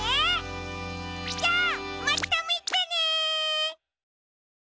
じゃあまたみてね！